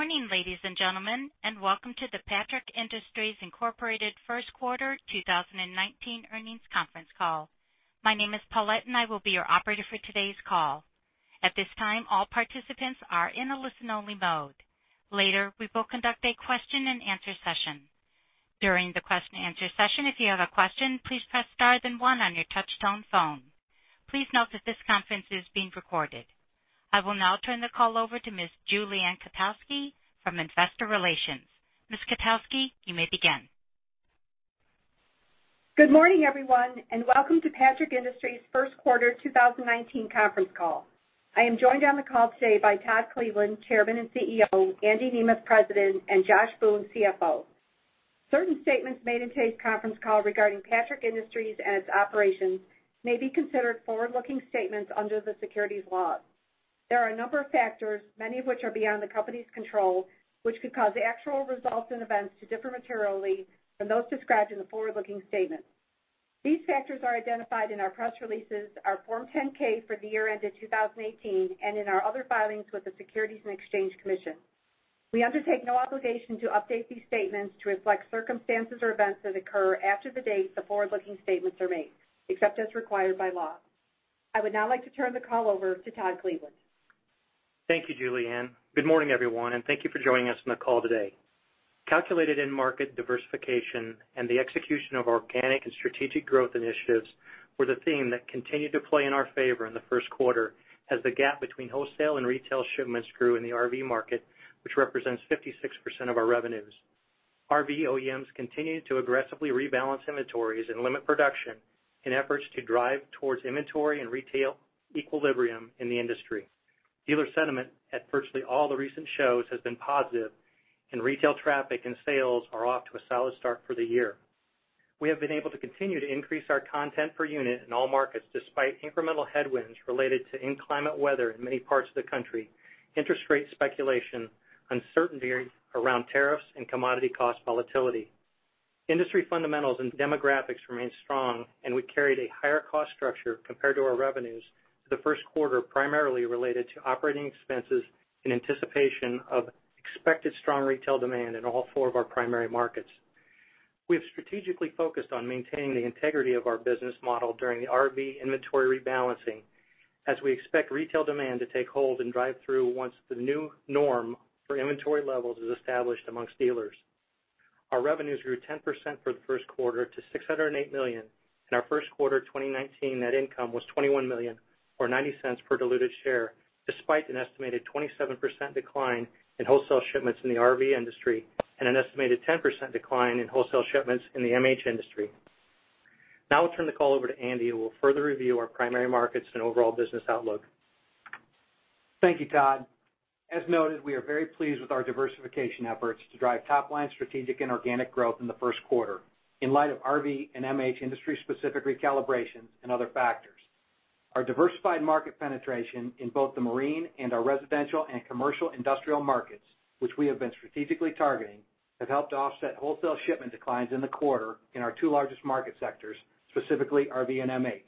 Good morning, ladies and gentlemen, and welcome to the Patrick Industries Incorporated First Quarter 2019 Earnings Conference Call. My name is Paulette, and I will be your operator for today's call. At this time, all participants are in a listen-only mode. Later, we will conduct a question and answer session. During the question and answer session, if you have a question, please press star then one on your touch-tone phone. Please note that this conference is being recorded. I will now turn the call over to Ms. Julie Ann Kotowski from Investor Relations. Ms. Kotowski, you may begin. Good morning, everyone, and welcome to Patrick Industries' First Quarter 2019 conference call. I am joined on the call today by Todd Cleveland, Chairman and CEO, Andy Nemeth, President, and Josh Boone, CFO. Certain statements made in today's conference call regarding Patrick Industries and its operations may be considered forward-looking statements under the securities laws. There are a number of factors, many of which are beyond the company's control, which could cause actual results and events to differ materially from those described in the forward-looking statement. These factors are identified in our press releases, our Form 10-K for the year ended 2018, and in our other filings with the Securities and Exchange Commission. We undertake no obligation to update these statements to reflect circumstances or events that occur after the date the forward-looking statements are made, except as required by law. I would now like to turn the call over to Todd Cleveland. Thank you, Julie Ann. Good morning, everyone, and thank you for joining us on the call today. Calculated end market diversification and the execution of organic and strategic growth initiatives were the theme that continued to play in our favor in the first quarter as the gap between wholesale and retail shipments grew in the RV market, which represents 56% of our revenues. RV OEMs continued to aggressively rebalance inventories and limit production in efforts to drive towards inventory and retail equilibrium in the industry. Dealer sentiment at virtually all the recent shows has been positive, and retail traffic and sales are off to a solid start for the year. We have been able to continue to increase our content per unit in all markets, despite incremental headwinds related to inclement weather in many parts of the country, interest rate speculation, uncertainty around tariffs, and commodity cost volatility. Industry fundamentals and demographics remain strong, we carried a higher cost structure compared to our revenues for the first quarter, primarily related to operating expenses in anticipation of expected strong retail demand in all four of our primary markets. We have strategically focused on maintaining the integrity of our business model during the RV inventory rebalancing, as we expect retail demand to take hold and drive through once the new norm for inventory levels is established amongst dealers. Our revenues grew 10% for the first quarter to $608 million, and our first quarter 2019 net income was $21 million, or $0.90 per diluted share, despite an estimated 27% decline in wholesale shipments in the RV industry and an estimated 10% decline in wholesale shipments in the MH industry. I'll turn the call over to Andy, who will further review our primary markets and overall business outlook. Thank you, Todd. As noted, we are very pleased with our diversification efforts to drive top-line strategic and organic growth in the first quarter in light of RV and MH industry-specific recalibrations and other factors. Our diversified market penetration in both the marine and our residential and commercial industrial markets, which we have been strategically targeting, have helped to offset wholesale shipment declines in the quarter in our two largest market sectors, specifically RV and MH,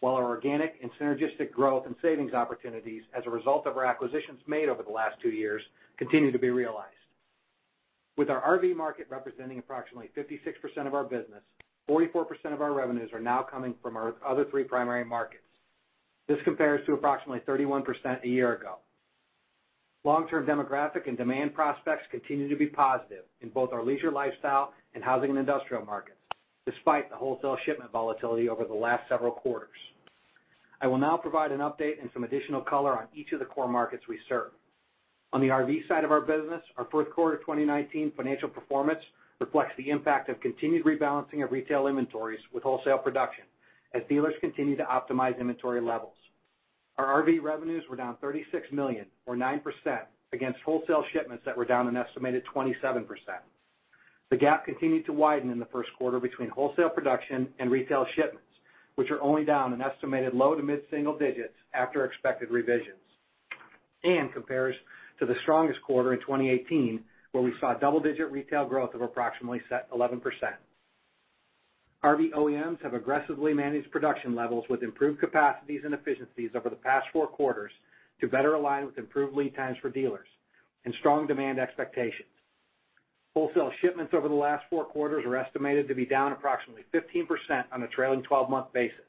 while our organic and synergistic growth and savings opportunities as a result of our acquisitions made over the last two years continue to be realized. With our RV market representing approximately 56% of our business, 44% of our revenues are now coming from our other three primary markets. This compares to approximately 31% a year ago. Long-term demographic and demand prospects continue to be positive in both our leisure lifestyle and housing and industrial markets, despite the wholesale shipment volatility over the last several quarters. I will provide an update and some additional color on each of the core markets we serve. On the RV side of our business, our first quarter 2019 financial performance reflects the impact of continued rebalancing of retail inventories with wholesale production as dealers continue to optimize inventory levels. Our RV revenues were down $36 million, or 9%, against wholesale shipments that were down an estimated 27%. The gap continued to widen in the first quarter between wholesale production and retail shipments, which are only down an estimated low to mid-single digits after expected revisions and compares to the strongest quarter in 2018, where we saw double-digit retail growth of approximately 11%. RV OEMs have aggressively managed production levels with improved capacities and efficiencies over the past four quarters to better align with improved lead times for dealers and strong demand expectations. Wholesale shipments over the last four quarters are estimated to be down approximately 15% on a trailing 12-month basis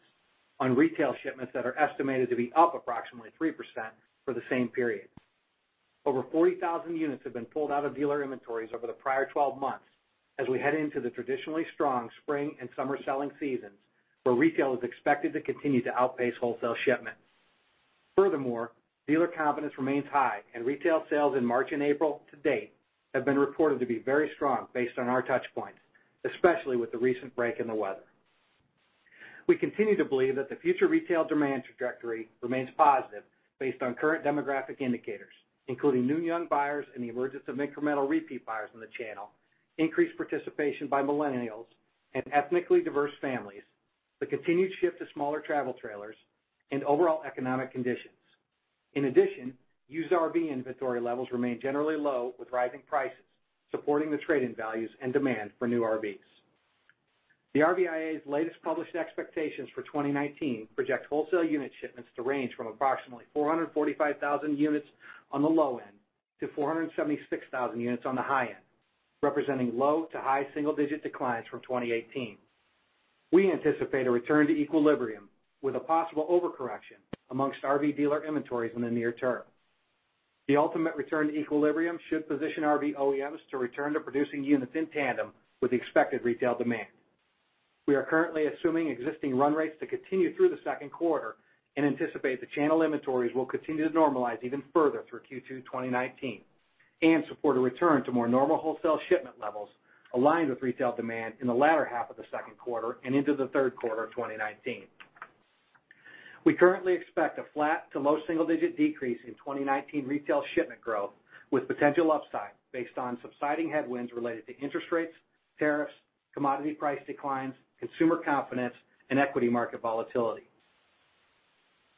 on retail shipments that are estimated to be up approximately 3% for the same period. Over 40,000 units have been pulled out of dealer inventories over the prior 12 months as we head into the traditionally strong spring and summer selling seasons, where retail is expected to continue to outpace wholesale shipments. Dealer confidence remains high, and retail sales in March and April to date have been reported to be very strong based on our touchpoints, especially with the recent break in the weather. We continue to believe that the future retail demand trajectory remains positive based on current demographic indicators, including new young buyers and the emergence of incremental repeat buyers in the channel, increased participation by millennials and ethnically diverse families, the continued shift to smaller travel trailers, and overall economic conditions. In addition, used RV inventory levels remain generally low with rising prices, supporting the trade-in values and demand for new RVs. The RVIA's latest published expectations for 2019 project wholesale unit shipments to range from approximately 445,000 units on the low end to 476,000 units on the high end, representing low to high single-digit declines from 2018. We anticipate a return to equilibrium with a possible overcorrection amongst RV dealer inventories in the near term. The ultimate return to equilibrium should position RV OEMs to return to producing units in tandem with the expected retail demand. We are currently assuming existing run rates to continue through the second quarter and anticipate the channel inventories will continue to normalize even further through Q2 2019 and support a return to more normal wholesale shipment levels aligned with retail demand in the latter half of the second quarter and into the third quarter of 2019. We currently expect a flat to low single-digit decrease in 2019 retail shipment growth with potential upside based on subsiding headwinds related to interest rates, tariffs, commodity price declines, consumer confidence, and equity market volatility.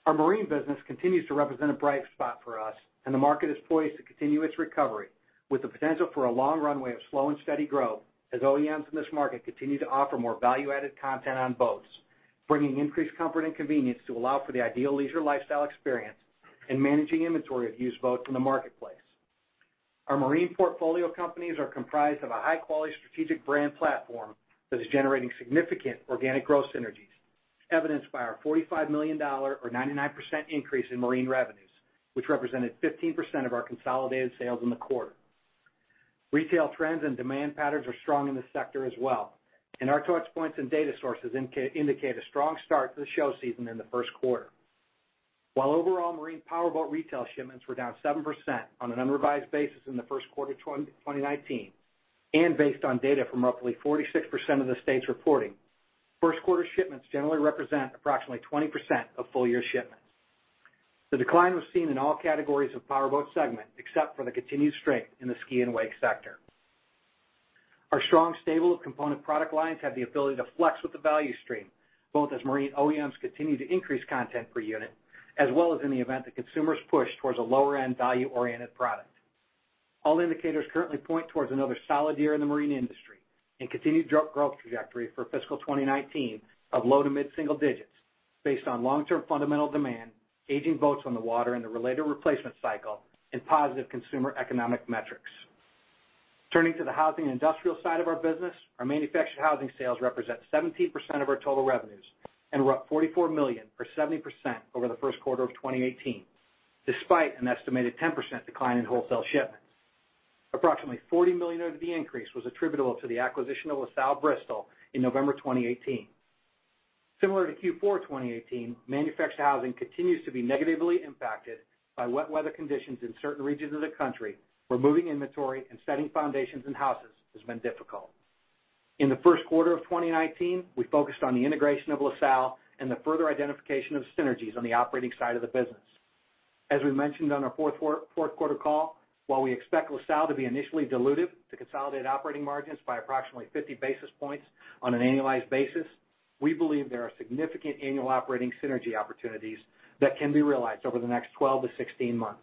Our marine business continues to represent a bright spot for us. The market is poised to continue its recovery with the potential for a long runway of slow and steady growth as OEMs in this market continue to offer more value-added content on boats, bringing increased comfort and convenience to allow for the ideal leisure lifestyle experience and managing inventory of used boats in the marketplace. Our marine portfolio companies are comprised of a high-quality strategic brand platform that is generating significant organic growth synergies, evidenced by our $45 million or 99% increase in marine revenues, which represented 15% of our consolidated sales in the quarter. Retail trends and demand patterns are strong in this sector as well, and our touchpoints and data sources indicate a strong start to the show season in the first quarter. While overall marine powerboat retail shipments were down 7% on an unrevised basis in the first quarter of 2019, based on data from roughly 46% of the states reporting, first quarter shipments generally represent approximately 20% of full-year shipments. The decline was seen in all categories of powerboat segment, except for the continued strength in the ski and wake sector. Our strong stable of component product lines have the ability to flex with the value stream, both as marine OEMs continue to increase content per unit, as well as in the event that consumers push towards a lower-end value-oriented product. All indicators currently point towards another solid year in the marine industry and continued growth trajectory for fiscal 2019 of low to mid-single digits based on long-term fundamental demand, aging boats on the water and the related replacement cycle, and positive consumer economic metrics. Turning to the housing and industrial side of our business, our manufactured housing sales represent 17% of our total revenues and were up $44 million or 70% over the first quarter of 2018, despite an estimated 10% decline in wholesale shipments. Approximately $40 million of the increase was attributable to the acquisition of LaSalle Bristol in November 2018. Similar to Q4 2018, manufactured housing continues to be negatively impacted by wet weather conditions in certain regions of the country, where moving inventory and setting foundations and houses has been difficult. In the first quarter of 2019, we focused on the integration of LaSalle and the further identification of synergies on the operating side of the business. As we mentioned on our fourth quarter call, while we expect LaSalle to be initially dilutive to consolidated operating margins by approximately 50 basis points on an annualized basis, we believe there are significant annual operating synergy opportunities that can be realized over the next 12 to 16 months.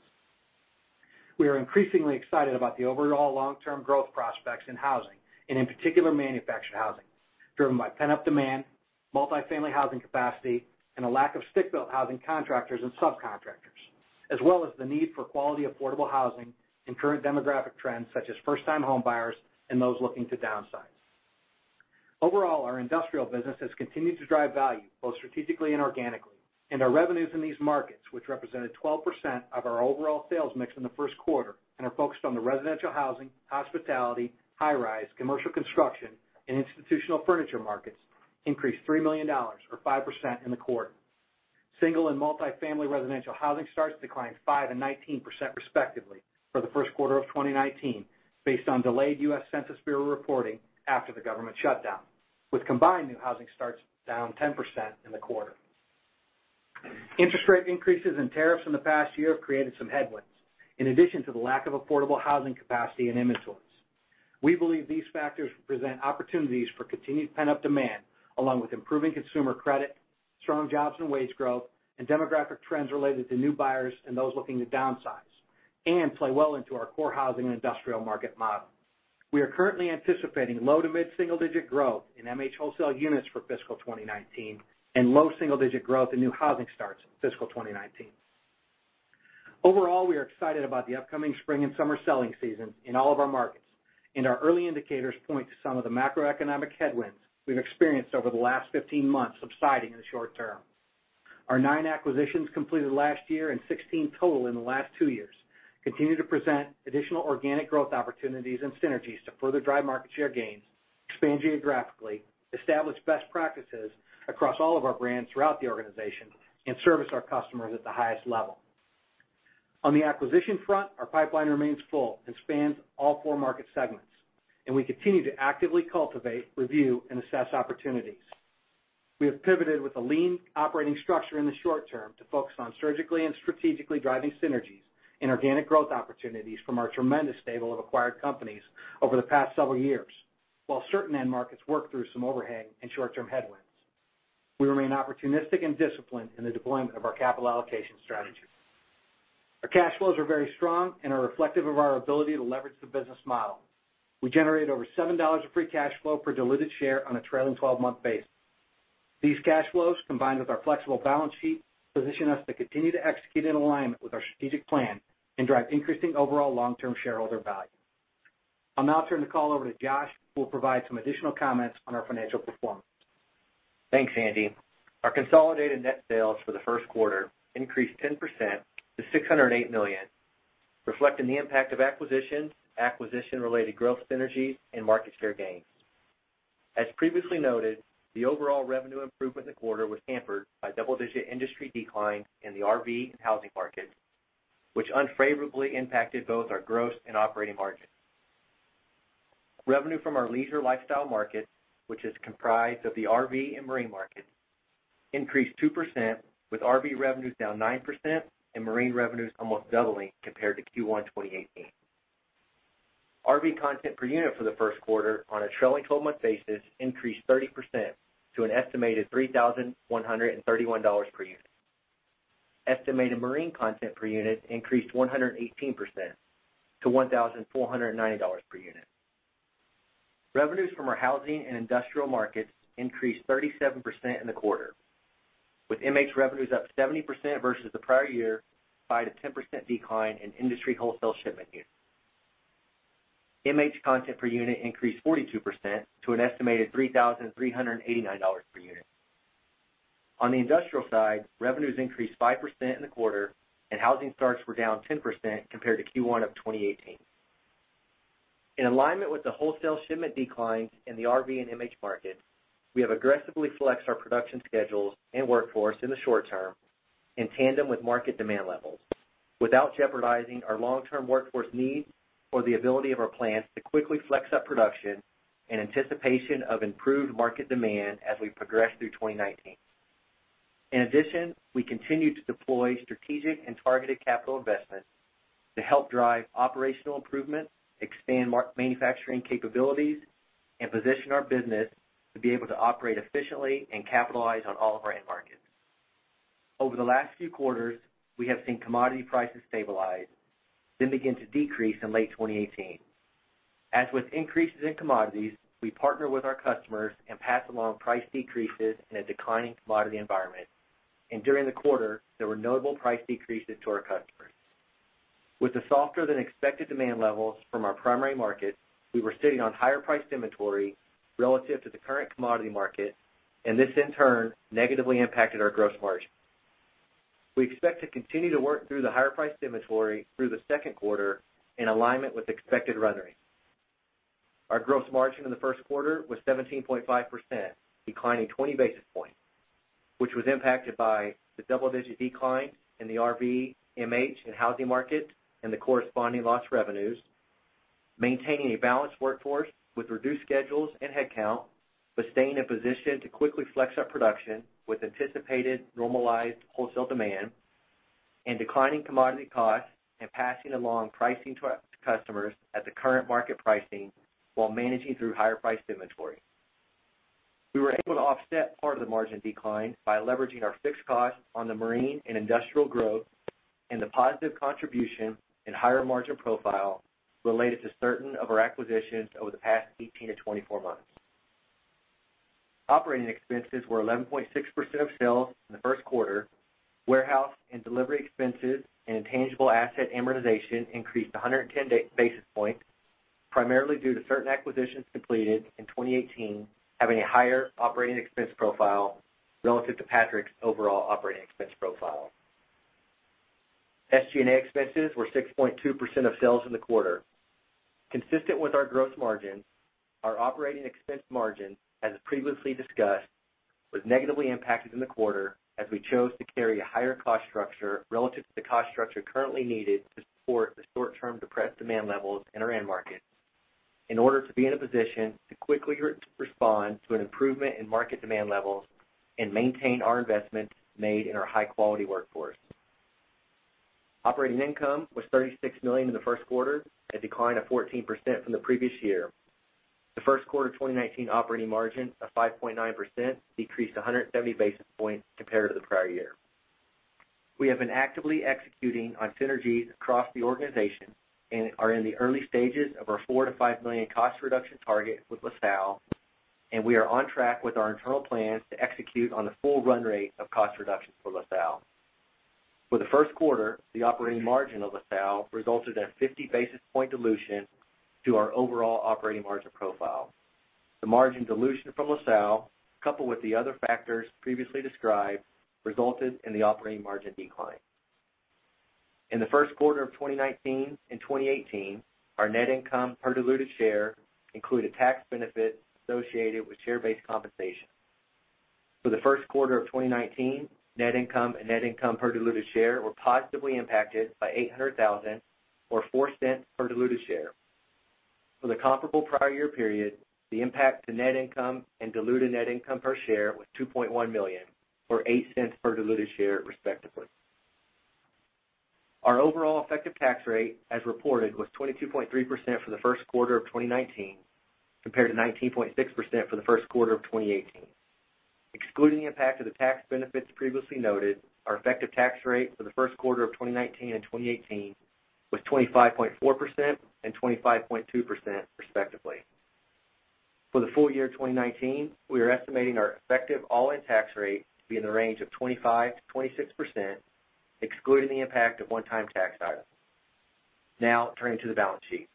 We are increasingly excited about the overall long-term growth prospects in housing and in particular manufactured housing, driven by pent-up demand, multi-family housing capacity, and a lack of stick-built housing contractors and subcontractors, as well as the need for quality affordable housing and current demographic trends such as first-time homebuyers and those looking to downsize. Our industrial business has continued to drive value both strategically and organically, and our revenues in these markets, which represented 12% of our overall sales mix in the first quarter and are focused on the residential housing, hospitality, high-rise, commercial construction, and institutional furniture markets, increased $3 million or 5% in the quarter. Single and multi-family residential housing starts declined 5% and 19% respectively for the first quarter of 2019, based on delayed U.S. Census Bureau reporting after the government shutdown, with combined new housing starts down 10% in the quarter. Interest rate increases and tariffs in the past year have created some headwinds, in addition to the lack of affordable housing capacity and inventories. We believe these factors present opportunities for continued pent-up demand, along with improving consumer credit, strong jobs and wage growth, and demographic trends related to new buyers and those looking to downsize, and play well into our core housing and industrial market model. We are currently anticipating low to mid-single-digit growth in MH wholesale units for fiscal 2019 and low single-digit growth in new housing starts in fiscal 2019. We are excited about the upcoming spring and summer selling season in all of our markets, and our early indicators point to some of the macroeconomic headwinds we've experienced over the last 15 months subsiding in the short term. Our 9 acquisitions completed last year and 16 total in the last 2 years continue to present additional organic growth opportunities and synergies to further drive market share gains, expand geographically, establish best practices across all of our brands throughout the organization, and service our customers at the highest level. On the acquisition front, our pipeline remains full and spans all 4 market segments, we continue to actively cultivate, review, and assess opportunities. We have pivoted with a lean operating structure in the short term to focus on surgically and strategically driving synergies and organic growth opportunities from our tremendous stable of acquired companies over the past several years, while certain end markets work through some overhang and short-term headwinds. We remain opportunistic and disciplined in the deployment of our capital allocation strategy. Our cash flows are very strong and are reflective of our ability to leverage the business model. We generate over $7 of free cash flow per diluted share on a trailing 12-month basis. These cash flows, combined with our flexible balance sheet, position us to continue to execute in alignment with our strategic plan and drive increasing overall long-term shareholder value. I'll now turn the call over to Josh, who will provide some additional comments on our financial performance. Thanks, Andy. Our consolidated net sales for the first quarter increased 10% to $608 million, reflecting the impact of acquisitions, acquisition-related growth synergies, and market share gains. As previously noted, the overall revenue improvement in the quarter was hampered by double-digit industry decline in the RV and housing market, which unfavorably impacted both our gross and operating margins. Revenue from our leisure lifestyle market, which is comprised of the RV and marine market, increased 2% with RV revenues down 9% and marine revenues almost doubling compared to Q1 2018. RV content per unit for the first quarter on a trailing 12-month basis increased 30% to an estimated $3,131 per unit. Estimated marine content per unit increased 118% to $1,490 per unit. Revenues from our housing and industrial markets increased 37% in the quarter, with MH revenues up 70% versus the prior year by the 10% decline in industry wholesale shipment units. MH content per unit increased 42% to an estimated $3,389 per unit. On the industrial side, revenues increased 5% in the quarter housing starts were down 10% compared to Q1 of 2018. In alignment with the wholesale shipment declines in the RV and MH market, we have aggressively flexed our production schedules and workforce in the short term in tandem with market demand levels, without jeopardizing our long-term workforce needs or the ability of our plants to quickly flex up production in anticipation of improved market demand as we progress through 2019. In addition, we continue to deploy strategic and targeted capital investments to help drive operational improvement, expand manufacturing capabilities, and position our business to be able to operate efficiently and capitalize on all of our end markets. Over the last few quarters, we have seen commodity prices stabilize, then begin to decrease in late 2018. As with increases in commodities, we partner with our customers and pass along price decreases in a declining commodity environment, and during the quarter there were notable price decreases to our customers. With the softer than expected demand levels from our primary markets, we were sitting on higher priced inventory relative to the current commodity market, and this in turn negatively impacted our gross margin. We expect to continue to work through the higher priced inventory through the second quarter in alignment with expected run rates. Our gross margin in the first quarter was 17.5%, declining 20 basis points, which was impacted by the double-digit decline in the RV, MH, and housing market and the corresponding lost revenues. Maintaining a balanced workforce with reduced schedules and headcount, but staying in position to quickly flex our production with anticipated normalized wholesale demand and declining commodity costs and passing along pricing to our customers at the current market pricing while managing through higher priced inventory. We were able to offset part of the margin decline by leveraging our fixed costs on the marine and industrial growth and the positive contribution and higher margin profile related to certain of our acquisitions over the past 18 to 24 months. Operating expenses were 11.6% of sales in the first quarter. Warehouse and delivery expenses and intangible asset amortization increased 110 basis points, primarily due to certain acquisitions completed in 2018 having a higher operating expense profile relative to Patrick's overall operating expense profile. SG&A expenses were 6.2% of sales in the quarter. Consistent with our gross margin, our operating expense margin, as previously discussed, was negatively impacted in the quarter as we chose to carry a higher cost structure relative to the cost structure currently needed to support the short-term depressed demand levels in our end markets, in order to be in a position to quickly respond to an improvement in market demand levels and maintain our investments made in our high quality workforce. Operating income was $36 million in the first quarter, a decline of 14% from the previous year. The first quarter 2019 operating margin of 5.9% decreased 170 basis points compared to the prior year. We have been actively executing on synergies across the organization and are in the early stages of our $4 to $5 million cost reduction target with LaSalle, and we are on track with our internal plans to execute on the full run rate of cost reductions for LaSalle. For the first quarter, the operating margin of LaSalle resulted in a 50 basis point dilution to our overall operating margin profile. The margin dilution from LaSalle, coupled with the other factors previously described, resulted in the operating margin decline. In the first quarter of 2019 and 2018, our net income per diluted share included tax benefits associated with share-based compensation. For the first quarter of 2019, net income and net income per diluted share were positively impacted by $800,000, or $0.04 per diluted share. For the comparable prior year period, the impact to net income and diluted net income per share was $2.1 million, or $0.08 per diluted share, respectively. Our overall effective tax rate, as reported, was 22.3% for the first quarter of 2019 compared to 19.6% for the first quarter of 2018. Excluding the impact of the tax benefits previously noted, our effective tax rate for the first quarter of 2019 and 2018 was 25.4% and 25.2% respectively. For the full year 2019, we are estimating our effective all-in tax rate to be in the range of 25%-26%, excluding the impact of one-time tax items. Turning to the balance sheet.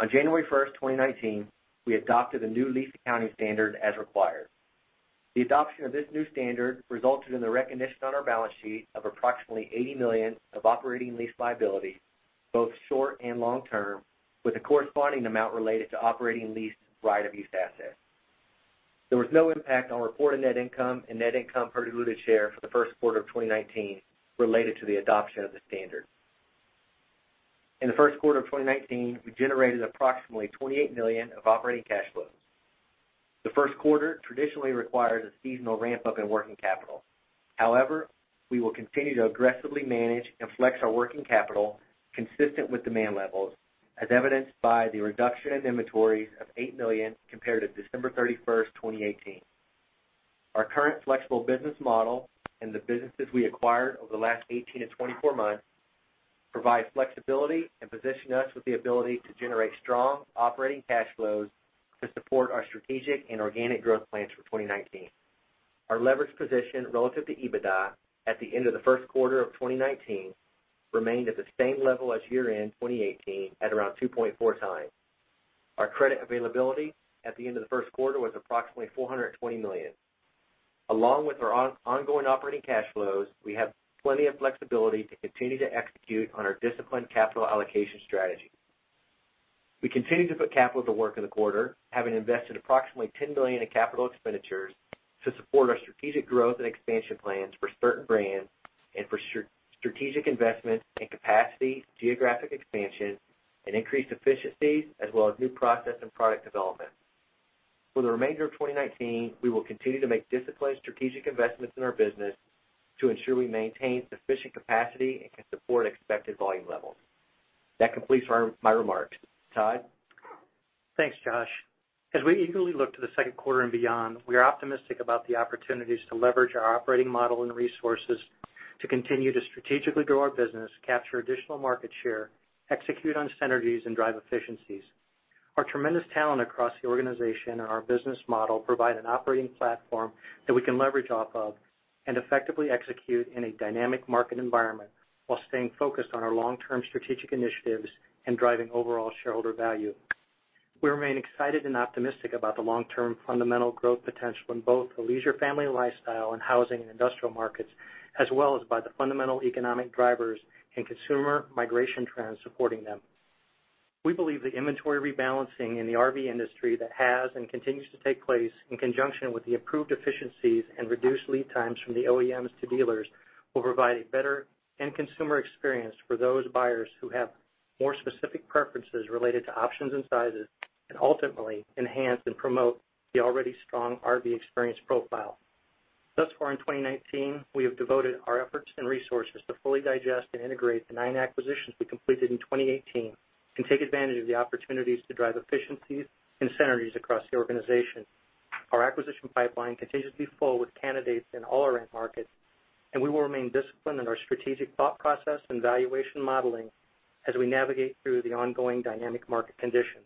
On January 1st, 2019, we adopted the new lease accounting standard as required. The adoption of this new standard resulted in the recognition on our balance sheet of approximately $80 million of operating lease liability, both short and long-term, with a corresponding amount related to operating lease right-of-use assets. There was no impact on reported net income and net income per diluted share for the first quarter of 2019 related to the adoption of the standard. In the first quarter of 2019, we generated approximately $28 million of operating cash flows. The first quarter traditionally requires a seasonal ramp-up in working capital. We will continue to aggressively manage and flex our working capital consistent with demand levels, as evidenced by the reduction in inventories of $8 million compared to December 31st, 2018. Our current flexible business model and the businesses we acquired over the last 18 to 24 months provide flexibility and position us with the ability to generate strong operating cash flows to support our strategic and organic growth plans for 2019. Our leverage position relative to EBITDA at the end of the first quarter of 2019 remained at the same level as year-end 2018 at around 2.4 times. Our credit availability at the end of the first quarter was approximately $420 million. Along with our ongoing operating cash flows, we have plenty of flexibility to continue to execute on our disciplined capital allocation strategy. We continue to put capital to work in the quarter, having invested approximately $10 million in capital expenditures to support our strategic growth and expansion plans for certain brands and for strategic investments in capacity, geographic expansion, and increased efficiencies, as well as new process and product development. For the remainder of 2019, we will continue to make disciplined strategic investments in our business to ensure we maintain sufficient capacity and can support expected volume levels. That completes my remarks. Todd? Thanks, Josh. As we eagerly look to the second quarter and beyond, we are optimistic about the opportunities to leverage our operating model and resources to continue to strategically grow our business, capture additional market share, execute on synergies, and drive efficiencies. Our tremendous talent across the organization and our business model provide an operating platform that we can leverage off of and effectively execute in a dynamic market environment while staying focused on our long-term strategic initiatives and driving overall shareholder value. We remain excited and optimistic about the long-term fundamental growth potential in both the leisure family lifestyle and housing and industrial markets, as well as by the fundamental economic drivers and consumer migration trends supporting them. We believe the inventory rebalancing in the RV industry that has and continues to take place in conjunction with the improved efficiencies and reduced lead times from the OEMs to dealers will provide a better end consumer experience for those buyers who have more specific preferences related to options and sizes, ultimately enhance and promote the already strong RV experience profile. Thus far in 2019, we have devoted our efforts and resources to fully digest and integrate the nine acquisitions we completed in 2018 and take advantage of the opportunities to drive efficiencies and synergies across the organization. Our acquisition pipeline continues to be full with candidates in all our end markets, we will remain disciplined in our strategic thought process and valuation modeling as we navigate through the ongoing dynamic market conditions.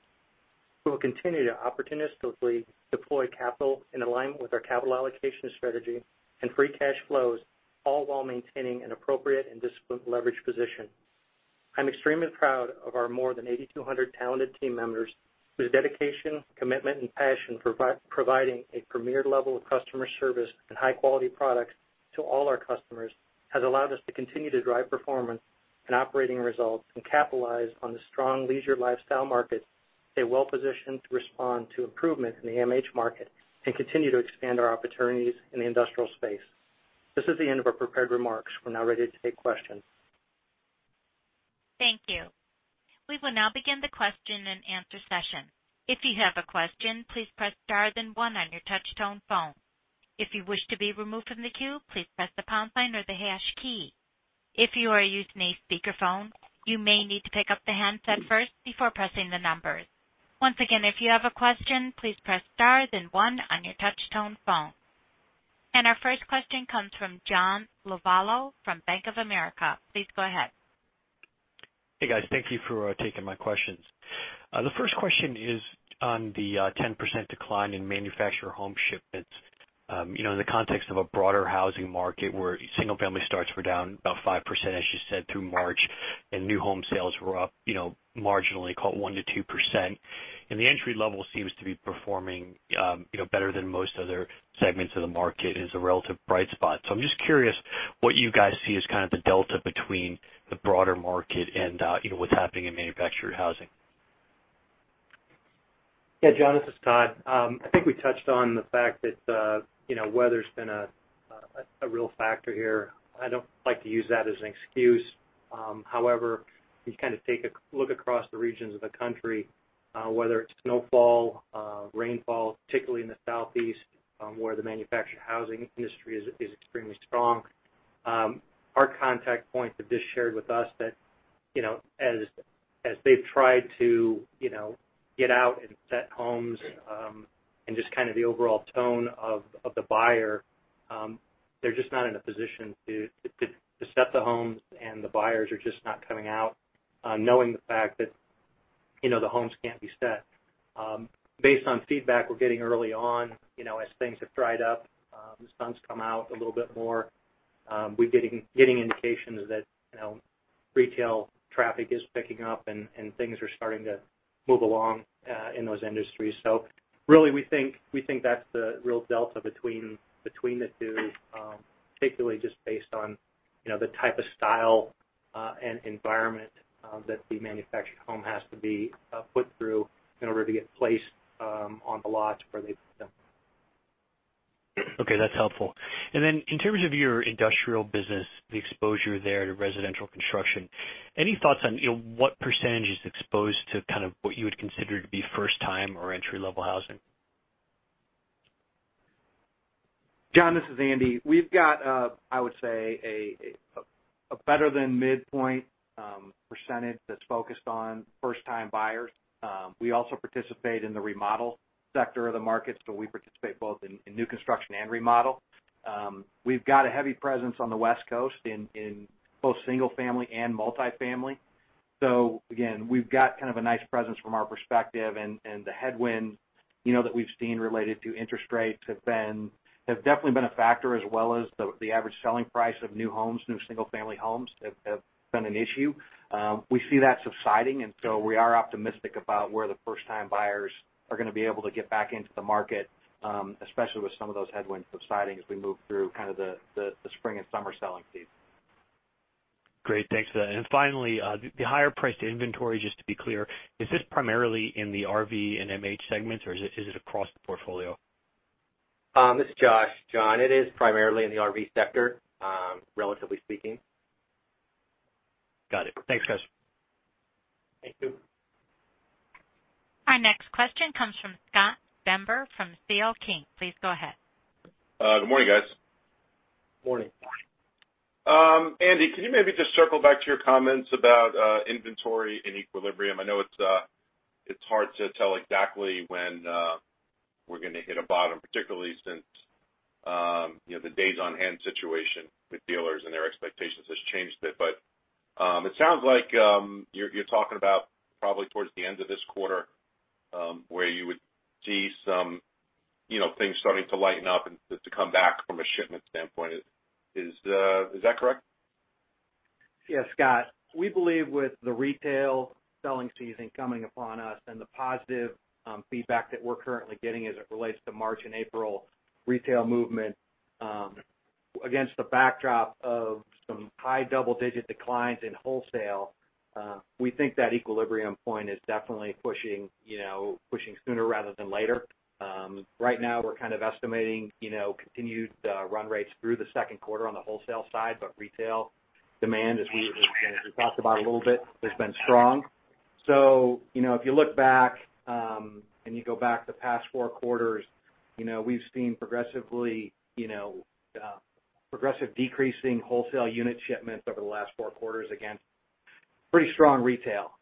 We will continue to opportunistically deploy capital in alignment with our capital allocation strategy and free cash flows, all while maintaining an appropriate and disciplined leverage position. I'm extremely proud of our more than 8,200 talented team members whose dedication, commitment, and passion providing a premier level of customer service and high-quality products to all our customers has allowed us to continue to drive performance and operating results and capitalize on the strong leisure lifestyle market, stay well-positioned to respond to improvement in the MH market, continue to expand our opportunities in the industrial space. This is the end of our prepared remarks. We're now ready to take questions. Thank you. We will now begin the question and answer session. If you have a question, please press star then one on your touch-tone phone. If you wish to be removed from the queue, please press the pound sign or the hash key. If you are using a speakerphone, you may need to pick up the handset first before pressing the numbers. Once again, if you have a question, please press star then one on your touch-tone phone. Our first question comes from John Lovallo from Bank of America. Please go ahead. Hey, guys. Thank you for taking my questions. The first question is on the 10% decline in manufactured home shipments. In the context of a broader housing market where single-family starts were down about 5%, as you said, through March, and new home sales were up marginally, call it 1%-2%. The entry level seems to be performing better than most other segments of the market as a relative bright spot. I'm just curious what you guys see as kind of the delta between the broader market and what's happening in manufactured housing. Yeah, John, this is Todd. I think we touched on the fact that weather's been a real factor here. I don't like to use that as an excuse. However, if you take a look across the regions of the country, whether it's snowfall, rainfall, particularly in the Southeast, where the manufactured housing industry is extremely strong. Our contact points have just shared with us that as they've tried to get out and set homes, and just kind of the overall tone of the buyer, they're just not in a position to set the homes, and the buyers are just not coming out, knowing the fact that the homes can't be set. Based on feedback we're getting early on, as things have dried up, the sun's come out a little bit more. We're getting indications that retail traffic is picking up and things are starting to move along in those industries. Really, we think that's the real delta between the two, particularly just based on the type of style and environment that the manufactured home has to be put through in order to get placed on the lots where they put them. Okay, that's helpful. Then in terms of your industrial business, the exposure there to residential construction, any thoughts on what percentage is exposed to kind of what you would consider to be first-time or entry-level housing? John, this is Andy. We've got, I would say, a better-than-midpoint percentage that's focused on first-time buyers. We also participate in the remodel sector of the market, so we participate both in new construction and remodel. We've got a heavy presence on the West Coast in both single-family and multifamily. Again, we've got kind of a nice presence from our perspective. The headwind that we've seen related to interest rates have definitely been a factor as well as the average selling price of new homes, new single-family homes have been an issue. We see that subsiding, we are optimistic about where the first-time buyers are going to be able to get back into the market, especially with some of those headwinds subsiding as we move through kind of the spring and summer selling season. Great. Thanks for that. Finally, the higher-priced inventory, just to be clear, is this primarily in the RV and MH segments or is it across the portfolio? This is Josh. John, it is primarily in the RV sector, relatively speaking. Got it. Thanks, guys. Thank you. Our next question comes from Scott Stember from C.L. King. Please go ahead. Good morning, guys. Morning. Andy, can you maybe just circle back to your comments about inventory and equilibrium? I know it's hard to tell exactly when we're going to hit a bottom, particularly since the days-on-hand situation with dealers and their expectations has changed a bit. It sounds like you're talking about probably towards the end of this quarter, where you would see some things starting to lighten up and to come back from a shipment standpoint. Is that correct? Yes, Scott. We believe with the retail selling season coming upon us and the positive feedback that we're currently getting as it relates to March and April retail movement against the backdrop of some high double-digit declines in wholesale, we think that equilibrium point is definitely pushing sooner rather than later. Right now, we're kind of estimating continued run rates through the second quarter on the wholesale side, but retail demand, as we talked about a little bit, has been strong. If you look back, and you go back the past four quarters, we've seen progressive decreasing wholesale unit shipments over the last four quarters against pretty strong retail.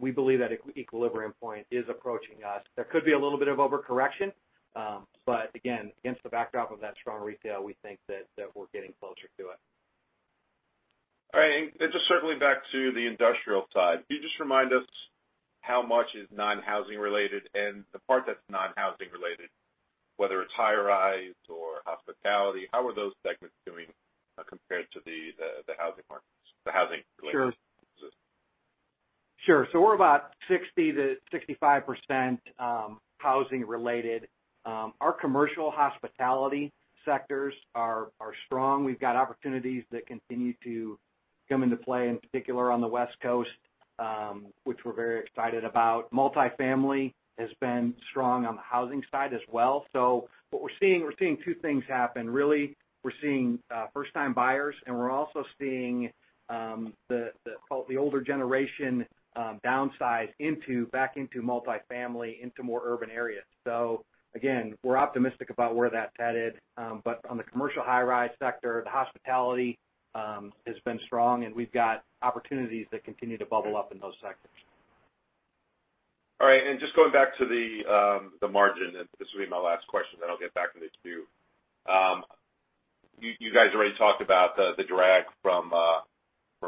We believe that equilibrium point is approaching us. There could be a little bit of overcorrection. Again, against the backdrop of that strong retail, we think that we're getting closer to it. All right. Just circling back to the industrial side, can you just remind us how much is non-housing related? The part that's non-housing related, whether it's high-rise or hospitality, how are those segments doing compared to the housing markets, the housing-related? Sure. We're about 60%-65% housing-related. Our commercial hospitality sectors are strong. We've got opportunities that continue to come into play, in particular on the West Coast, which we're very excited about. Multifamily has been strong on the housing side as well. What we're seeing, we're seeing two things happen, really. We're seeing first-time buyers, and we're also seeing the older generation downsize back into multifamily, into more urban areas. Again, we're optimistic about where that's headed. On the commercial high-rise sector, the hospitality has been strong, and we've got opportunities that continue to bubble up in those sectors. All right. Just going back to the margin, and this will be my last question, then I'll get back into queue. You guys already talked about the drag from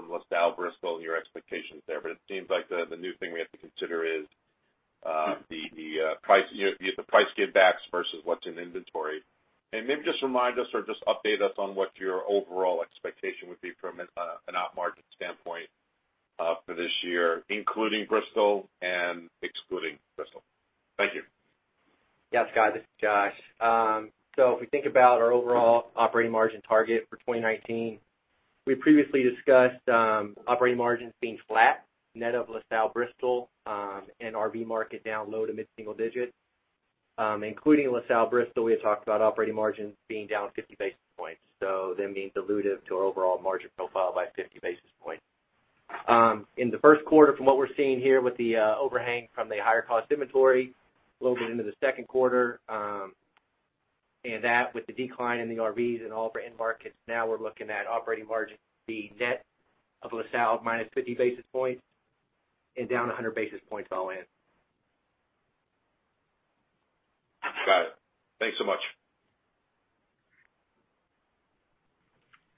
LaSalle Bristol and your expectations there, it seems like the new thing we have to consider is the price givebacks versus what's in inventory. Maybe just remind us or just update us on what your overall expectation would be from an op margin standpoint for this year, including Bristol and excluding Bristol. Thank you. Yeah, Scott, this is Josh. If we think about our overall operating margin target for 2019, we previously discussed operating margins being flat net of LaSalle Bristol and RV market down low to mid-single digit. Including LaSalle Bristol, we had talked about operating margins being down 50 basis points, so them being dilutive to our overall margin profile by 50 basis points. In Q1, from what we're seeing here with the overhang from the higher cost inventory, a little bit into Q2. That with the decline in the RVs and all of our end markets, now we're looking at operating margin, the net of LaSalle minus 50 basis points and down 100 basis points all in. Got it. Thanks so much.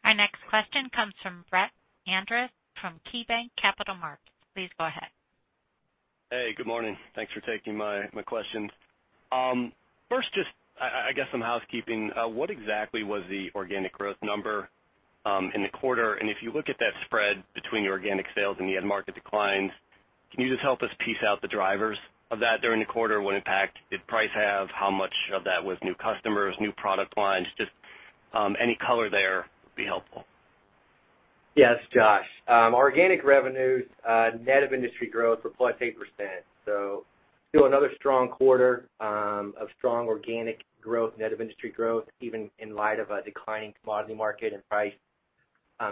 Our next question comes from Brett Andress from KeyBanc Capital Markets. Please go ahead. Hey, good morning. Thanks for taking my questions. First, some housekeeping. What exactly was the organic growth number in the quarter? If you look at that spread between your organic sales and the end market declines, can you just help us piece out the drivers of that during the quarter? What impact did price have? How much of that was new customers, new product lines? Just any color there would be helpful. Yes, Josh. Organic revenues, net of industry growth were +8%. Still another strong quarter of strong organic growth, net of industry growth, even in light of a declining commodity market and price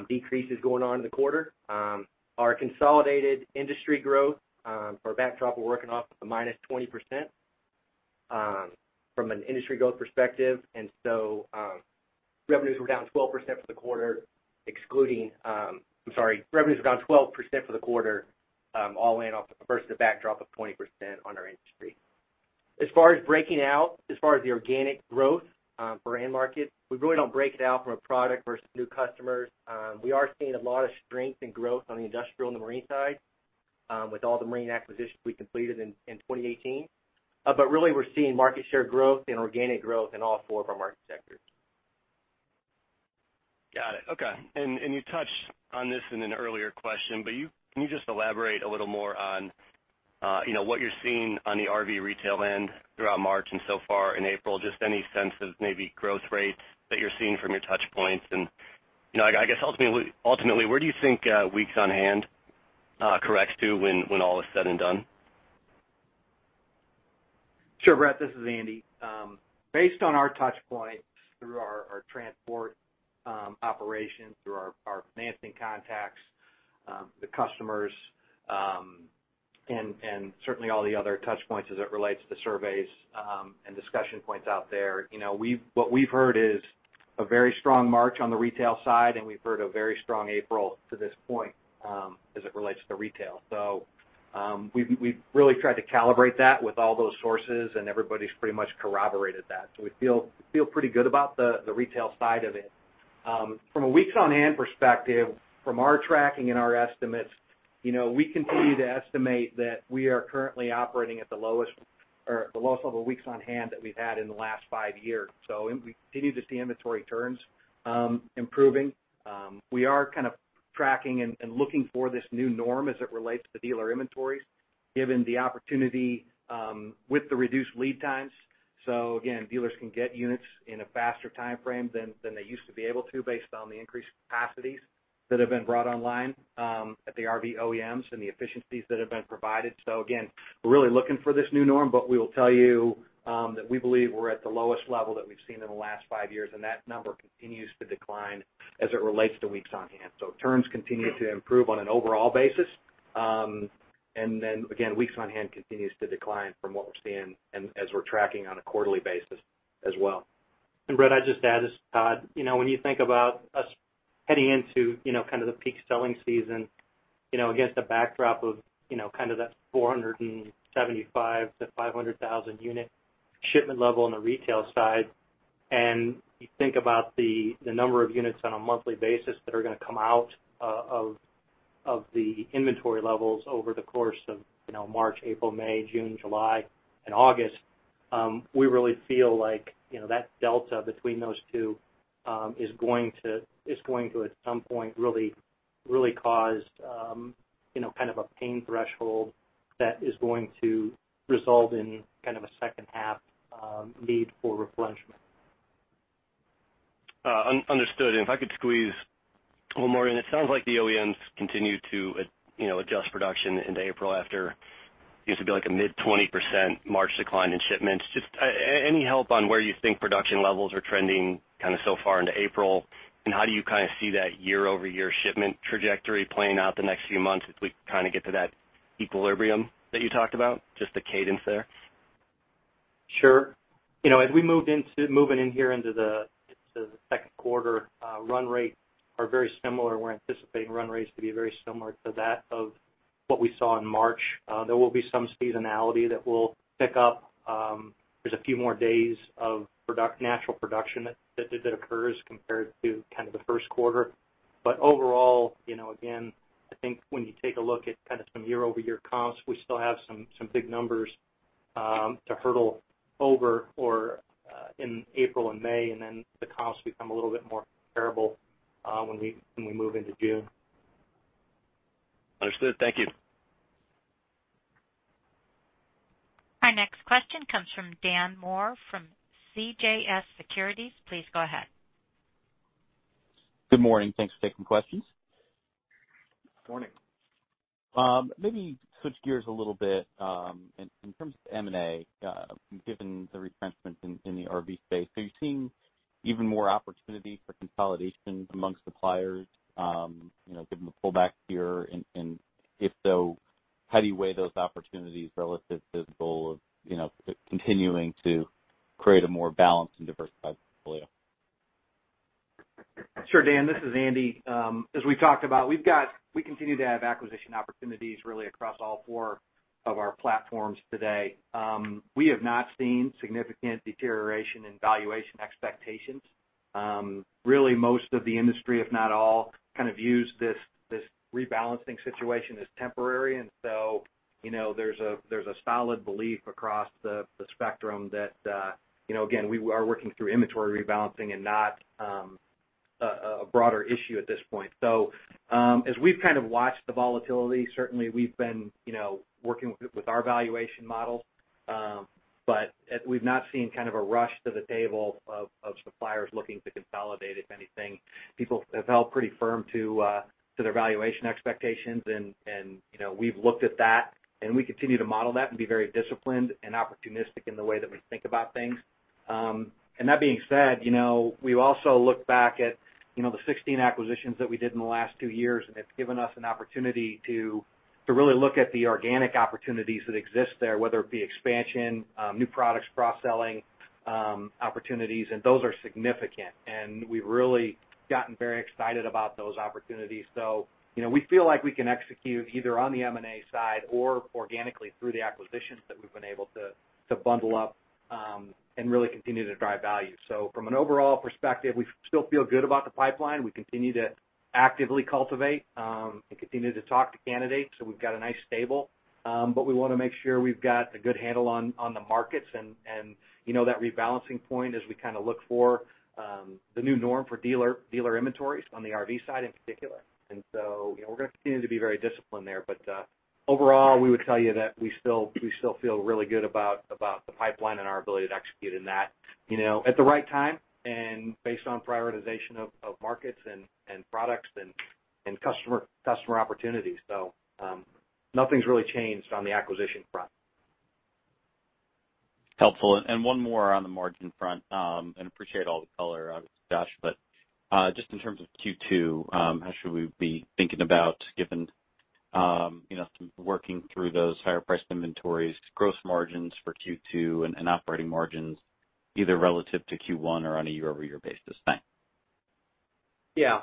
decreases going on in the quarter. Our consolidated industry growth for a backdrop, we're working off of the -20% from an industry growth perspective. Revenues were down 12% for the quarter, all in off versus a backdrop of -20% on our industry. As far as breaking out, as far as the organic growth for end markets, we really don't break it out from a product versus new customers. We are seeing a lot of strength and growth on the industrial and the marine side with all the marine acquisitions we completed in 2018. We're seeing market share growth and organic growth in all four of our market sectors. Got it. Okay. You touched on this in an earlier question, can you just elaborate a little more on what you're seeing on the RV retail end throughout March and so far in April? Just any sense of maybe growth rates that you're seeing from your touch points. I guess ultimately, where do you think weeks on hand corrects to when all is said and done? Sure, Brett. This is Andy. Based on our touch points through our transport operations, through our financing contacts, the customers, certainly all the other touch points as it relates to surveys and discussion points out there. What we've heard is a very strong March on the retail side, we've heard a very strong April to this point as it relates to retail. We've really tried to calibrate that with all those sources, and everybody's pretty much corroborated that. We feel pretty good about the retail side of it. From a weeks on hand perspective, from our tracking and our estimates, we continue to estimate that we are currently operating at the lowest level of weeks on hand that we've had in the last five years. We continue to see inventory turns improving. We are kind of tracking and looking for this new norm as it relates to dealer inventories, given the opportunity with the reduced lead times. Again, dealers can get units in a faster timeframe than they used to be able to based on the increased capacities that have been brought online at the RV OEMs and the efficiencies that have been provided. Again, we're really looking for this new norm, we will tell you that we believe we're at the lowest level that we've seen in the last five years, and that number continues to decline as it relates to weeks on hand. Turns continue to improve on an overall basis. Again, weeks on hand continues to decline from what we're seeing and as we're tracking on a quarterly basis as well. Brett, I'd just add, as Todd, when you think about us heading into the peak selling season against a backdrop of that 475,000-500,000 unit shipment level on the retail side, and you think about the number of units on a monthly basis that are going to come out of the inventory levels over the course of March, April, May, June, July, and August. We really feel like that delta between those two is going to at some point really cause kind of a pain threshold that is going to result in a second half need for replenishment. Understood. If I could squeeze one more in. It sounds like the OEMs continue to adjust production into April after it used to be like a mid-20% March decline in shipments. Just any help on where you think production levels are trending so far into April, and how do you see that year-over-year shipment trajectory playing out the next few months as we kind of get to that equilibrium that you talked about, just the cadence there? Sure. As we're moving in here into the second quarter, run rates are very similar. We're anticipating run rates to be very similar to that of what we saw in March. There will be some seasonality that will pick up. There's a few more days of natural production that occurs compared to the first quarter. Overall, again, I think when you take a look at kind of some year-over-year comps, we still have some big numbers to hurdle over in April and May, and then the comps become a little bit more comparable when we move into June. Understood. Thank you. Our next question comes from Daniel Moore from CJS Securities. Please go ahead. Good morning. Thanks for taking questions. Morning. Maybe switch gears a little bit. In terms of M&A, given the retrenchment in the RV space, you're seeing Even more opportunity for consolidation amongst suppliers, given the pullback here, and if so, how do you weigh those opportunities relative to the goal of continuing to create a more balanced and diversified portfolio? Sure, Dan. This is Andy. As we talked about, we continue to have acquisition opportunities really across all four of our platforms today. We have not seen significant deterioration in valuation expectations. Really, most of the industry, if not all, kind of views this rebalancing situation as temporary. There's a solid belief across the spectrum that, again, we are working through inventory rebalancing and not a broader issue at this point. As we've kind of watched the volatility, certainly we've been working with our valuation model. We've not seen kind of a rush to the table of suppliers looking to consolidate. If anything, people have held pretty firm to their valuation expectations and we've looked at that and we continue to model that and be very disciplined and opportunistic in the way that we think about things. That being said, we've also looked back at the 16 acquisitions that we did in the last two years, and it's given us an opportunity to really look at the organic opportunities that exist there, whether it be expansion, new products, cross-selling opportunities, and those are significant. We've really gotten very excited about those opportunities. We feel like we can execute either on the M&A side or organically through the acquisitions that we've been able to bundle up, and really continue to drive value. From an overall perspective, we still feel good about the pipeline. We continue to actively cultivate, and continue to talk to candidates, so we've got a nice stable. We want to make sure we've got a good handle on the markets and that rebalancing point as we kind of look for the new norm for dealer inventories on the RV side in particular. We're going to continue to be very disciplined there. Overall, we would tell you that we still feel really good about the pipeline and our ability to execute in that at the right time, and based on prioritization of markets and products and customer opportunities. Nothing's really changed on the acquisition front. Helpful. One more on the margin front, and appreciate all the color, obviously, Josh, but just in terms of Q2, how should we be thinking about given working through those higher priced inventories, gross margins for Q2 and operating margins either relative to Q1 or on a year-over-year basis? Thanks. Yeah.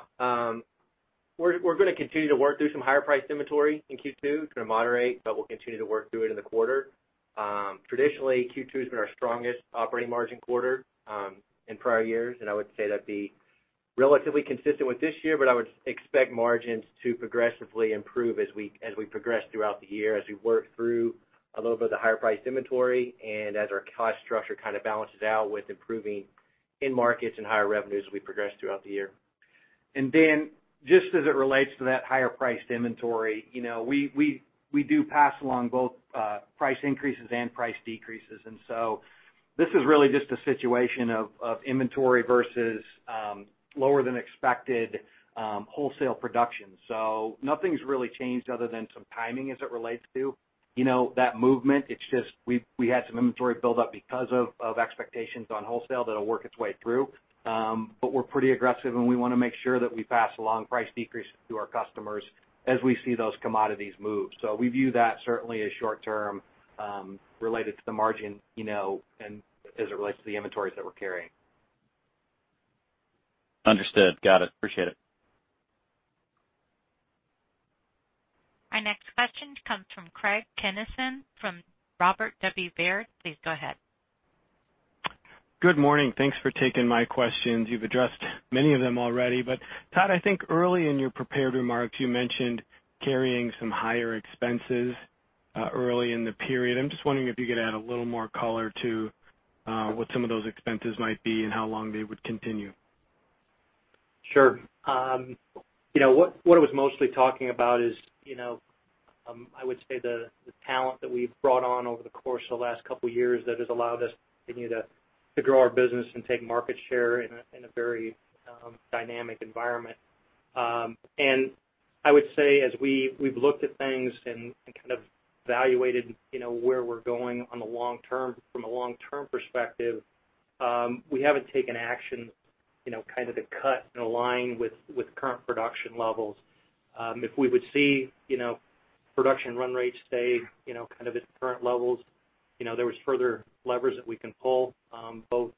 We're going to continue to work through some higher priced inventory in Q2. It's going to moderate, but we'll continue to work through it in the quarter. Traditionally, Q2 has been our strongest operating margin quarter in prior years. I would say that'd be relatively consistent with this year. I would expect margins to progressively improve as we progress throughout the year, as we work through a little bit of the higher priced inventory, and as our cost structure kind of balances out with improving end markets and higher revenues as we progress throughout the year. Just as it relates to that higher priced inventory, we do pass along both price increases and price decreases. This is really just a situation of inventory versus lower than expected wholesale production. Nothing's really changed other than some timing as it relates to that movement. It's just we had some inventory build up because of expectations on wholesale that'll work its way through. We're pretty aggressive, and we want to make sure that we pass along price decreases to our customers as we see those commodities move. We view that certainly as short term related to the margin and as it relates to the inventories that we're carrying. Understood. Got it. Appreciate it. Our next question comes from Craig Kennison from Robert W. Baird. Please go ahead. Good morning. Thanks for taking my questions. You've addressed many of them already. Todd, I think early in your prepared remarks, you mentioned carrying some higher expenses early in the period. I'm just wondering if you could add a little more color to what some of those expenses might be and how long they would continue. Sure. What I was mostly talking about is, I would say the talent that we've brought on over the course of the last couple of years that has allowed us to continue to grow our business and take market share in a very dynamic environment. I would say as we've looked at things and kind of evaluated where we're going from a long-term perspective, we haven't taken action to cut and align with current production levels. If we would see production run rates stay at current levels, there was further levers that we can pull, both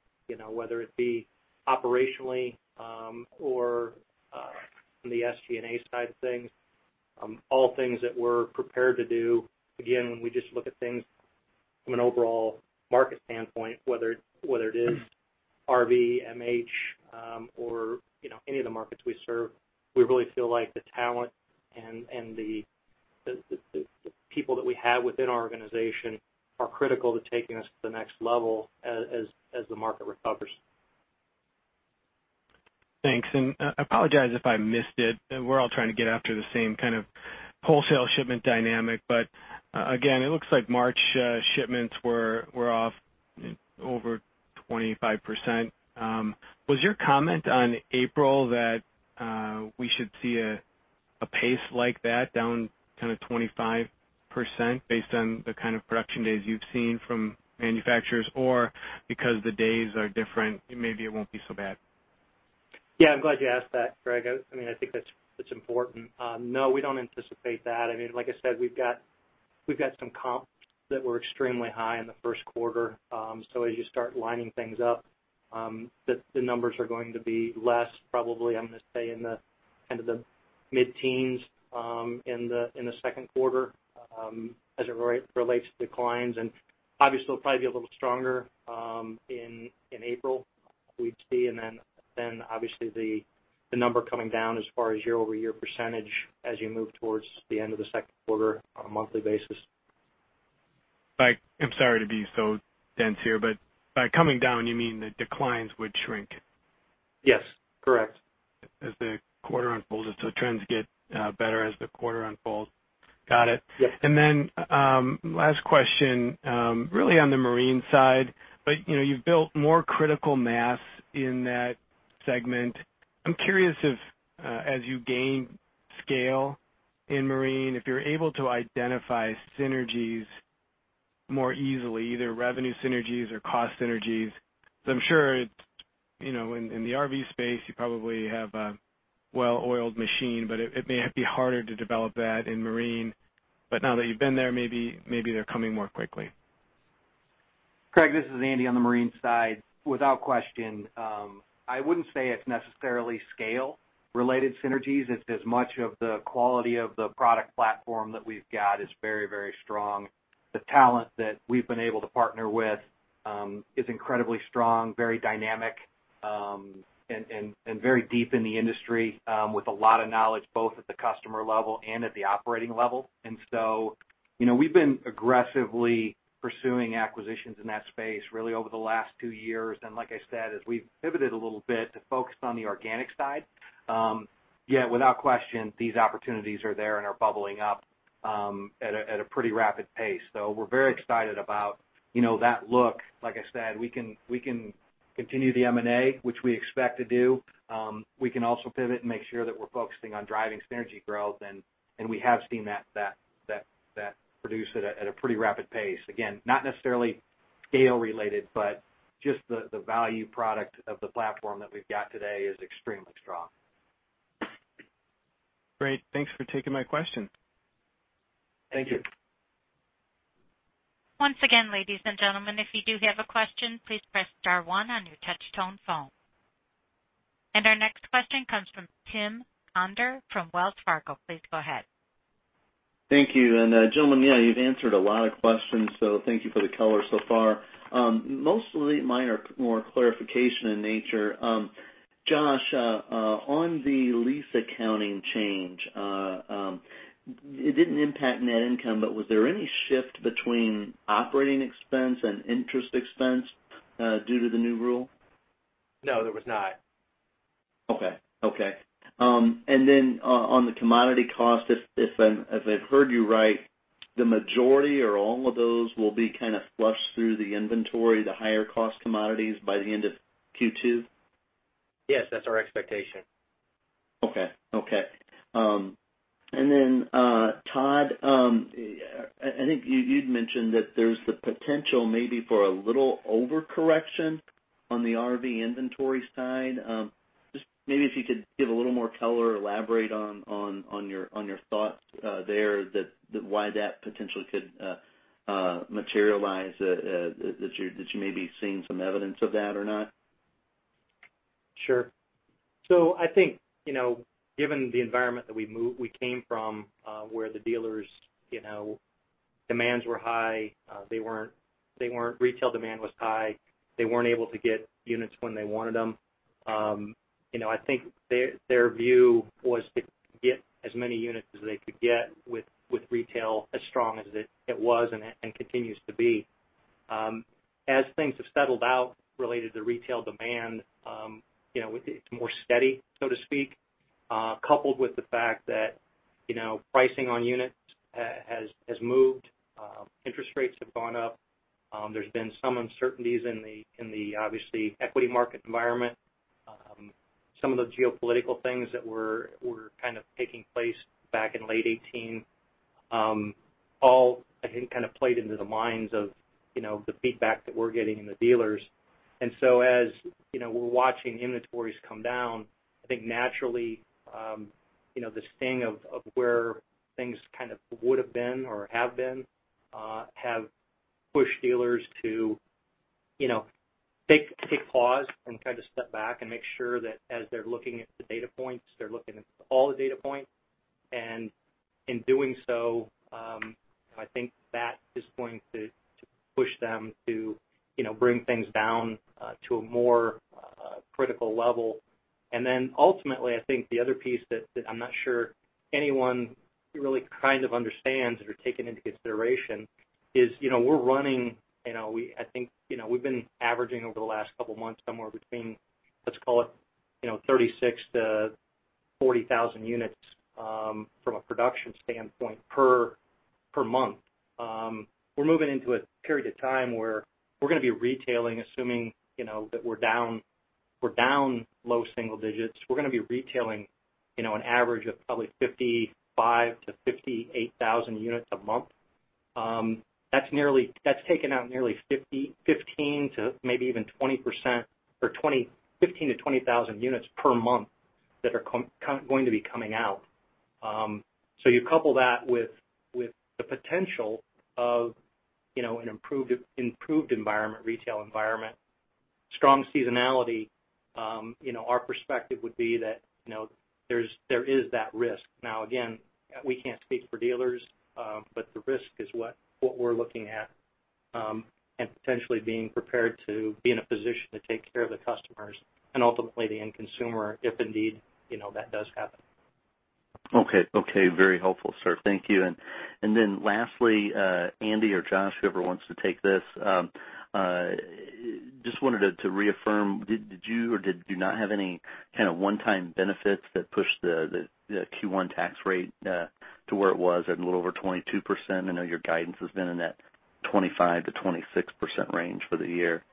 whether it be operationally or from the SG&A side of things. All things that we're prepared to do. Again, when we just look at things from an overall market standpoint, whether it is RV, MH, or any of the markets we serve, we really feel like the talent and the people that we have within our organization are critical to taking us to the next level as the market recovers. Thanks. I apologize if I missed it. We're all trying to get after the same kind of wholesale shipment dynamic. Again, it looks like March shipments were off over 25%. Was your comment on April that we should see a pace like that down kind of 25% based on the kind of production days you've seen from manufacturers, or because the days are different, maybe it won't be so bad. I'm glad you asked that, Craig. I think that's important. We don't anticipate that. Like I said, we've got some comps that were extremely high in the first quarter. As you start lining things up, the numbers are going to be less, probably, I'm going to say in the mid-teens in the second quarter as it relates to declines. Obviously, it'll probably be a little stronger in April, we'd see. Then obviously the number coming down as far as year-over-year percentage as you move towards the end of the second quarter on a monthly basis. I'm sorry to be so dense here, by coming down, you mean the declines would shrink? Correct. As the quarter unfolds. Trends get better as the quarter unfolds. Got it. Yes. Last question, really on the marine side, you've built more critical mass in that segment. I'm curious if as you gain scale in marine, if you're able to identify synergies more easily, either revenue synergies or cost synergies. I'm sure in the RV space, you probably have a well-oiled machine, but it may be harder to develop that in marine. Now that you've been there, maybe they're coming more quickly. Craig, this is Andy on the marine side. Without question, I wouldn't say it's necessarily scale-related synergies. It's as much of the quality of the product platform that we've got is very strong. The talent that we've been able to partner with is incredibly strong, very dynamic and very deep in the industry with a lot of knowledge, both at the customer level and at the operating level. We've been aggressively pursuing acquisitions in that space, really over the last two years. Like I said, as we've pivoted a little bit to focus on the organic side. Yet, without question, these opportunities are there and are bubbling up at a pretty rapid pace. We're very excited about that look. Like I said, we can continue the M&A, which we expect to do. We can also pivot and make sure that we're focusing on driving synergy growth, we have seen that produce at a pretty rapid pace. Again, not necessarily scale related, just the value product of the platform that we've got today is extremely strong. Great. Thanks for taking my question. Thank you. Once again, ladies and gentlemen, if you do have a question, please press star one on your touch-tone phone. Our next question comes from Timothy Conder from Wells Fargo. Please go ahead. Thank you. Gentlemen, yeah, you've answered a lot of questions, so thank you for the color so far. Mostly mine are more clarification in nature. Josh, on the lease accounting change, it didn't impact net income, but was there any shift between operating expense and interest expense due to the new rule? No, there was not. Okay. On the commodity cost, if I've heard you right, the majority or all of those will be flushed through the inventory, the higher cost commodities by the end of Q2? Yes, that's our expectation. Okay. Todd, I think you'd mentioned that there's the potential maybe for a little overcorrection on the RV inventory side. Just maybe if you could give a little more color or elaborate on your thoughts there that why that potentially could materialize, that you're maybe seeing some evidence of that or not? Sure. I think, given the environment that we came from where the dealers' demands were high, retail demand was high. They weren't able to get units when they wanted them. I think their view was to get as many units as they could get with retail as strong as it was and continues to be. As things have settled out related to retail demand, it's more steady, so to speak, coupled with the fact that pricing on units has moved. Interest rates have gone up. There's been some uncertainties in the, obviously equity market environment. Some of the geopolitical things that were kind of taking place back in late 2018 all, I think, kind of played into the minds of the feedback that we're getting in the dealers. As we're watching inventories come down, I think naturally the sting of where things kind of would've been or have been pushed dealers to take pause and kind of step back and make sure that as they're looking at the data points, they're looking at all the data points. In doing so, I think that is going to push them to bring things down to a more critical level. Ultimately, I think the other piece that I'm not sure anyone really kind of understands or taken into consideration is we're running, I think we've been averaging over the last couple of months, somewhere between, let's call it 36,000 to 40,000 units from a production standpoint per Per month. We're moving into a period of time where we're going to be retailing, assuming that we're down low single digits. We're going to be retailing an average of probably 55,000 to 58,000 units a month. That's taken out nearly 15,000 to maybe even 20,000 units per month that are going to be coming out. You couple that with the potential of an improved retail environment, strong seasonality, our perspective would be that there is that risk. Again, we can't speak for dealers, but the risk is what we're looking at, and potentially being prepared to be in a position to take care of the customers and ultimately the end consumer, if indeed that does happen. Okay. Very helpful, sir. Thank you. Lastly, Andy or Josh, whoever wants to take this. Just wanted to reaffirm, did you or did you not have any kind of one-time benefits that pushed the Q1 tax rate to where it was at a little over 22%? I know your guidance has been in that 25%-26% range for the year.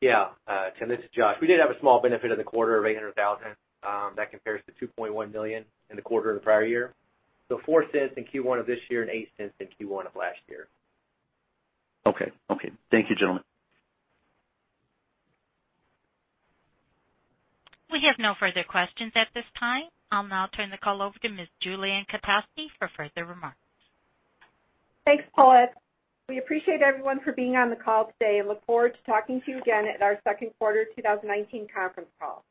Yeah. Tim, this is Josh. We did have a small benefit in the quarter of $800,000. That compares to $2.1 million in the quarter of the prior year. Four cents in Q1 of this year and $0.08 in Q1 of last year. Okay. Thank you, gentlemen. We have no further questions at this time. I'll now turn the call over to Ms. Julie Ann Kotowski for further remarks. Thanks, Paulette. We appreciate everyone for being on the call today and look forward to talking to you again at our second quarter 2019 conference call.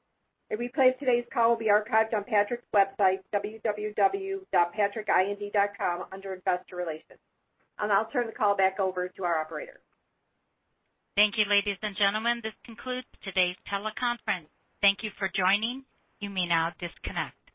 A replay of today's call will be archived on Patrick's website, www.patrickind.com, under Investor Relations. I'll turn the call back over to our operator. Thank you, ladies and gentlemen. This concludes today's teleconference. Thank you for joining. You may now disconnect.